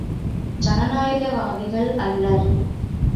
ஜனநாயக வாதிகள் அல்லர்!